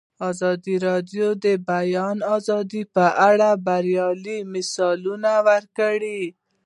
ازادي راډیو د د بیان آزادي په اړه د بریاوو مثالونه ورکړي.